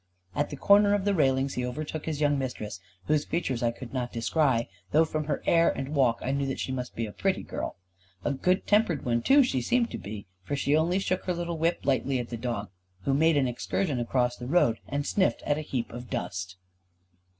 At the corner of the railings he overtook his young Mistress, whose features I could not descry; though from her air and walk I knew that she must be a pretty girl. A good tempered one too she seemed to be, for she only shook her little whip lightly at the dog, who made an excursion across the road and sniffed at a heap of dust.